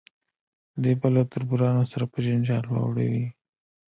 دی به له تربورانو سره په جنجال واړوي.